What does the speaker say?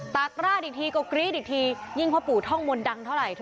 พ่อปู่ฤาษีเทพนรสิงค่ะมีเฮ็ดโฟนเหมือนเฮ็ดโฟนเหมือนเฮ็ดโฟน